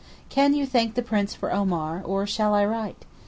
Can you thank the Prince for Omar, or shall I write?